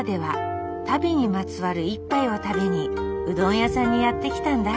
足袋にまつわる一杯を食べにうどん屋さんにやって来たんだ。